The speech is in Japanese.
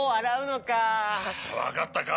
わかったか？